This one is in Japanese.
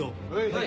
はい！